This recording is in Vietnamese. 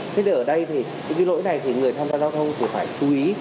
thế ở đây thì những cái lỗi này thì người tham gia giao thông thì phải chú ý